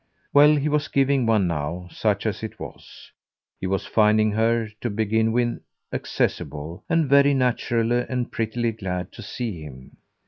Well, he was giving one now such as it was; he was finding her, to begin with, accessible, and very naturally and prettily glad to see him.